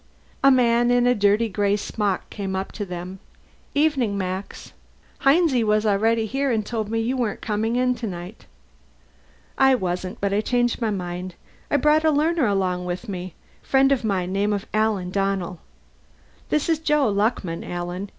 A man in a dirty gray smock came up to them. "Evening, Max. Hinesy was here already and told me you weren't coming in tonight." "I wasn't, but I changed my mind. I brought a learner along with me friend of mine name of Alan Donnell. This is Joe Luckman, Alan.